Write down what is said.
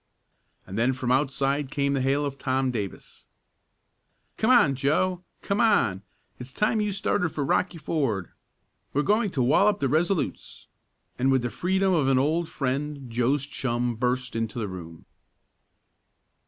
And then from outside came the hail of Tom Davis: "Come on, Joe! Come on! It's time you started for Rocky Ford. We're going to wallop the Resolutes!" and with the freedom of an old friend, Joe's chum burst into the room.